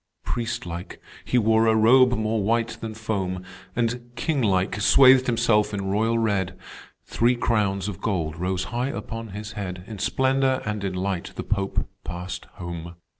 "Priest like, he wore a robe more white than foam, And, king like, swathed himself in royal red, Three crowns of gold rose high upon his head; In splendor and in light the Pope passed home.